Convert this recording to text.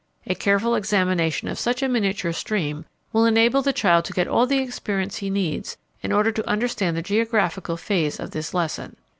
A careful examination of such a miniature stream will enable the child to get all the experience he needs in order to understand the geographical phase of this lesson.